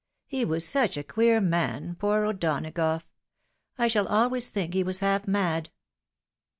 He was suet a queer man, poor O'Dona gough! — I shall always think he was half mad."